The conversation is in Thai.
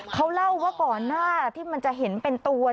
เขาเล่าว่าก่อนหน้าที่มันจะเห็นเป็นตัว